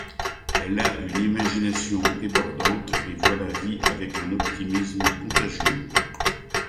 Elle a une imagination débordante et voit la vie avec un optimisme contagieux.